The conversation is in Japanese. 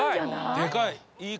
でかい。